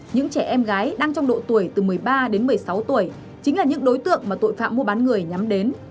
những trẻ em gái đang trong độ tuổi từ một mươi ba đến một mươi sáu tuổi chính là những đối tượng mà tội phạm mua bán người nhắm đến